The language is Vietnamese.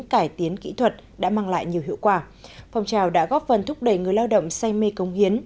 cải tiến kỹ thuật đã mang lại nhiều hiệu quả phong trào đã góp phần thúc đẩy người lao động say mê công hiến